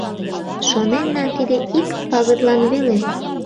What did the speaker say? Шоненна: тиде ик пагытлан веле.